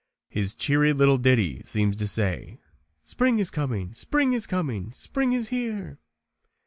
His cheery little ditty seems to say, "Spring is coming, spring is coming, spring is here."